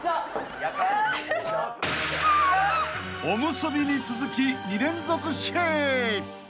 ［おむすびに続き２連続シェー！！］